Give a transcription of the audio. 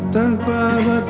tanpa batas waktu